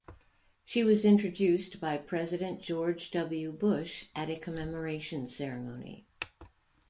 She was introduced by President George W. Bush at a commemoration ceremony.